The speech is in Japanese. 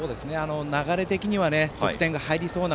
流れ的には得点入りそうな